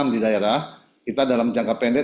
di daerah kita dalam jangka pendek